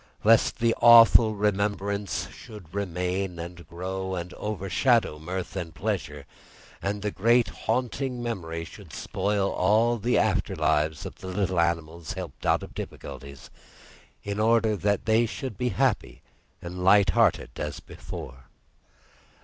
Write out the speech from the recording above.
Lest the awful remembrance should remain and grow, and overshadow mirth and pleasure, and the great haunting memory should spoil all the after lives of little animals helped out of difficulties, in order that they should be happy and lighthearted as before.